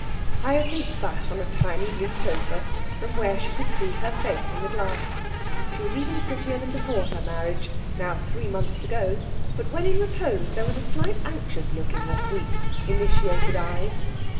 Hyacinth sat on a tiny blue sofa from where she could see her face in the glass. She was even prettier than before her marriage, now three months ago, but when in repose there was a slightly anxious look in her sweet, initiated eyes.